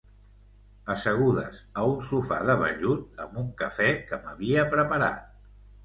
Assegudes a un sofà de vellut, amb un café que m’havia preparat.